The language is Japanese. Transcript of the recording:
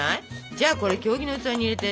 じゃあ経木の器に入れて。